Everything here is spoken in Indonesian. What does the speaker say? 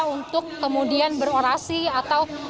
untuk kemudian berorasi atau